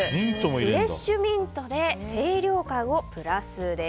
フレッシュミントで清涼感をプラス。